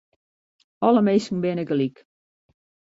Alle minsken binne gelyk.